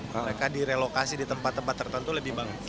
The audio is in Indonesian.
mereka direlokasi di tempat tempat tertentu lebih bagus